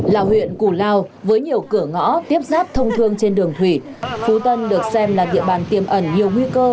là huyện củ lao với nhiều cửa ngõ tiếp giáp thông thương trên đường thủy phú tân được xem là địa bàn tiêm ẩn nhiều nguy cơ